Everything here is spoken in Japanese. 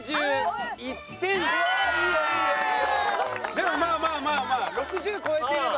でもまあまあまあまあ６０超えてれば。